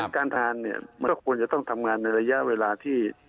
การทานเนี่ยมันก็ควรจะต้องทำงานในระยะเวลาที่